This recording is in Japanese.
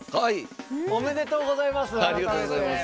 ありがとうございます。